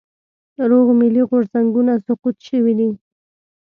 روغ ملي غورځنګونه سقوط شوي دي.